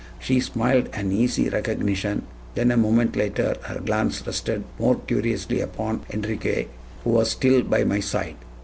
She smiled an easy recognition; then a moment later, her glance rested more curiously upon Enriquez, who was still by my side.